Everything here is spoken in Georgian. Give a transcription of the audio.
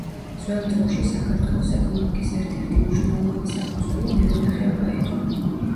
ძველ დროში, საქართველოს ეკონომიკის ერთ–ერთი მნიშვნელოვანი საფუძველი მევენახეობა იყო.